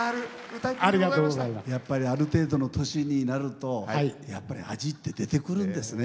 歌いっぷりでやっぱりある程度の年になるとやっぱり味って出てくるんですね。